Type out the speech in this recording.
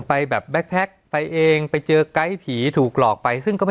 สวัสดีครับทุกผู้ชม